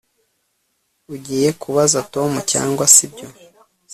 Ugiye kubaza Tom cyangwa sibyo